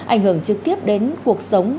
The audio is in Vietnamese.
ảnh hưởng trực tiếp đến cuộc sống